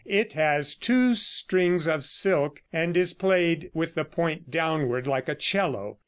It has two strings of silk, and is played with the point downward, like a 'cello.